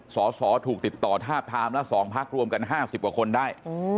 สอสอถูกติดต่อทาบทามละ๒พักรวมกัน๕๐กว่าคนได้